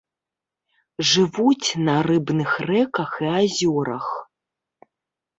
Жывуць на рыбных рэках і азёрах.